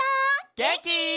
げんき？